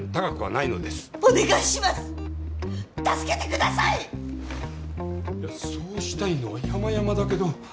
いやそうしたいのはやまやまだけど。